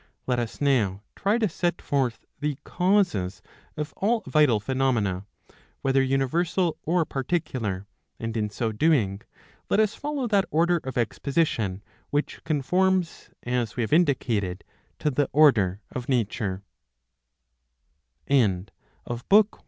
Let us now try to set forth the causes of all vital phenomena, whether universal or particular, and in so doing let us follow that order of exposition, which conforms, as we have indicated, to the order of